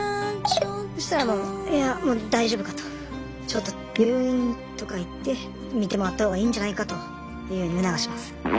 そしたら「大丈夫か？」と。ちょっと病院とか行って診てもらったほうがいいんじゃないかというふうに促します。